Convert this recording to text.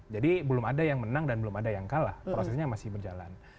jadi belum ada yang menang dan belum ada yang kalah prosesnya masih berjalan